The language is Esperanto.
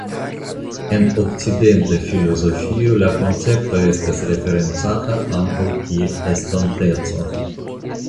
En Okcidenta filozofio la koncepto estas referencata ankaŭ kiel "estonteco".